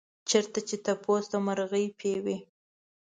چېرته چې تپوس د مرغۍ پۍ وي.